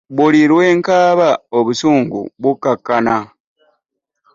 Buli lwe nkaaba obusungu bukkakkana.